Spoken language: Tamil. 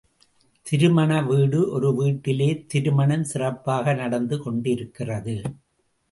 திருமண வீடு ஒரு வீட்டிலே திருமணம் சிறப்பாக நடந்து கொண்டிருக்கிறது.